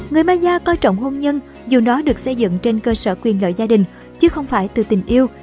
người maya coi trọng hôn nhân dù nó được xây dựng trên cơ sở quyền lợi gia đình chứ không phải từ tình yêu